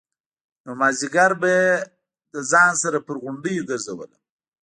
نو مازديگر به يې له ځان سره پر غونډيو گرځولم.